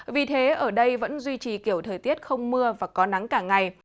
vì thế ở đây vẫn duy trì kiểu thời tiết không mưa và có nắng cả ngày